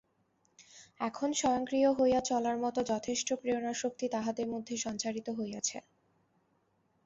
এখন স্বয়ংক্রিয় হইয়া চলার মত যথেষ্ট প্রেরণাশক্তি তাহাদের মধ্যে সঞ্চারিত হইয়াছে।